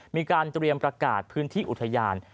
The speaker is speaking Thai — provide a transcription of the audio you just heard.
มีการเตรียมประกาศพื้นที่อุทยาน